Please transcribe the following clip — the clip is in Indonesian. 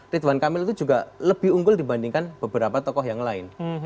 ridwan kamil itu juga lebih unggul dibandingkan beberapa tokoh yang lain